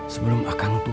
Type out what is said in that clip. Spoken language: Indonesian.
sebelum akang tersenyum